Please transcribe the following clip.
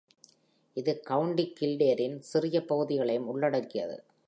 இது கவுண்டி கில்டேரின் சிறிய பகுதிகளையும் உள்ளடக்கியது.